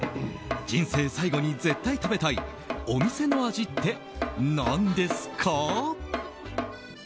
人生最後に絶対食べたいお店の味って何ですか？